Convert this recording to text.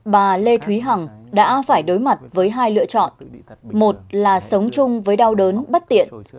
bà lê thúy hằng đã phải đối mặt với hai lựa chọn một là sống chung với đau đớn bất tiện